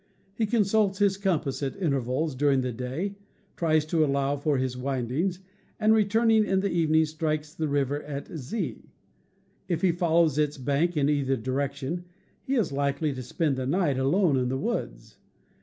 He consults his compass at intervals during the day, tries to allow for his windings, and, returning in the evening, strikes the river at Z, If he follows its GETTING LOST— BIVOUACS 211 bank in either direction, he is Hkely to spend the night alone in the woods.